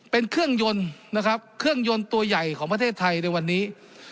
เป็นเครื่องยนต์นะครับเครื่องยนต์ตัวใหญ่ของประเทศไทยในวันนี้